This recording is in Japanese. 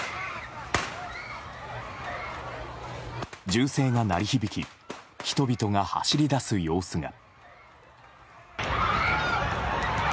銃声が鳴り響き人々が走り出す様子が。